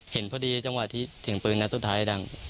เห็นพอดีจังหวะที่เสียงปืนนัดสุดท้ายดัง